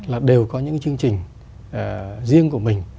là đều có những chương trình riêng của mình